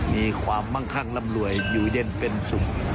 มีความมั่งคั่งร่ำรวยอยู่เย็นเป็นสุข